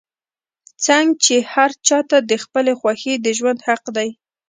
څنګ چې هر چا ته د خپلې خوښې د ژوند حق دے